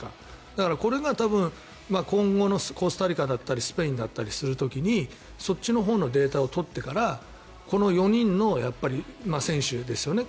だから、これが今後のコスタリカだったりスペインだったりする時にそっちのほうのデータを取ってからこの４人の選手ですよね。